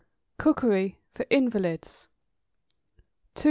COOKERY FOR INVALIDS. 224.